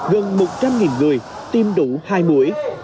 gần một trăm linh người tiêm đủ hai mũi